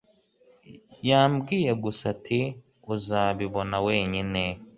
Yambwiye gusa ati Uzabibona wenyine